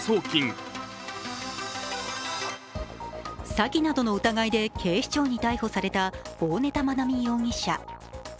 詐欺などの疑いで警視庁に逮捕された大根田愛美容疑者。